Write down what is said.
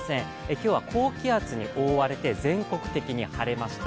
今日は高気圧に覆われて全国的に晴れました。